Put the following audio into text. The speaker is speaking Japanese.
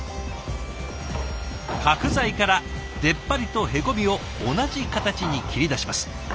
角材から出っ張りとへこみを同じ形に切り出します。